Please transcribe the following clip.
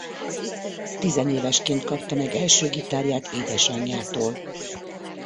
Tizenévesként kapta meg első gitárját édesanyjától.